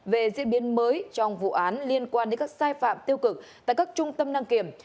về diễn biến mới trong vụ án liên quan đến các sai phạm tiêu cực tại các trung tâm đăng kiểm